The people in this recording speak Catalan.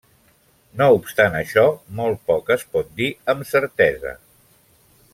No obstant això, molt poc es pot dir amb certesa.